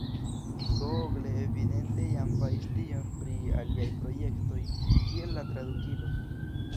Google evidente jam faris tion pri aliaj projektoj, kiel la tradukilo.